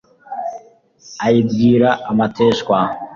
Ayibwira amateshwa